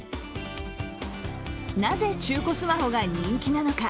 なぜ、中古スマホが人気なのか。